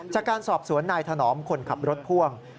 จากการสอบสวนนายถนอมคนขับรถพ่วง